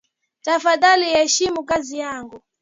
Tafadhali heshimu kazi yangu